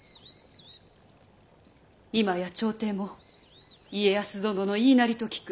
今や朝廷も家康殿の言いなりと聞く。